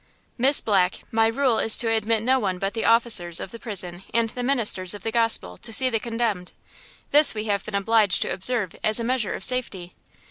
"Miss Black, my rule is to admit no one but the officers of the prison and the ministers of the gospel, to see the condemned! This we have been obliged to observe as a measure of safety.